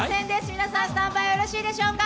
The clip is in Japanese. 皆さんスタンバイよろしいでしょうか。